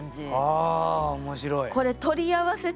ああ面白い。